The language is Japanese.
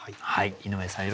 井上さん